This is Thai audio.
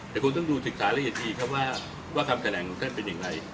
แต่คุณต้องดูศึกษาละเอียดดีครับว่าคำแถลงของท่านเป็นอย่างไร